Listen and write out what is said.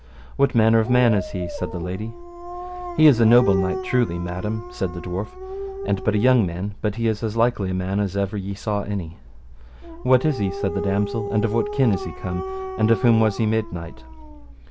What manner a man is he? said the lady. He is a noble knight, truly, madam, said the dwarf, and but a young man, but he is as likely a man as ever ye saw any. What is he? said the damosel, and of what kin is he come, and of whom was he made knight?